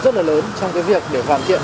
rất là lớn trong việc hoàn kiệm